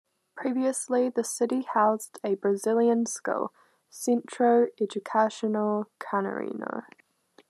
Previously the city housed a Brazilian school, Centro Educacional Canarinho.